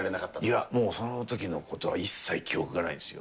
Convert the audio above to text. いや、もう、そのときのことは一切記憶がないんですよ。